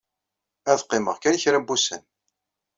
Ad qqimeɣ kan kra n wussan.